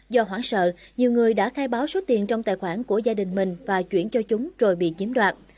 do hoảng sợ nhiều người đã khai báo số tiền trong tài khoản của gia đình mình và chuyển cho chúng rồi bị chiếm đoạt